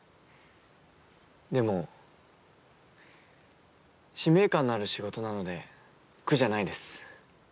でも使命感のある仕事なので苦じゃないです。